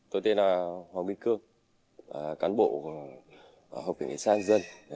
tôi tên là hoàng bình cương cán bộ học kỷ nghĩa sang dân